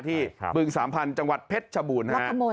ที่เบื้องสามพันจังหวัดเพชร